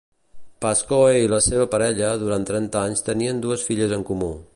Pascoe i la seva parella durant trenta anys tenien dues filles en comú.